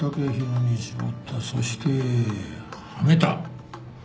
そしてはめた。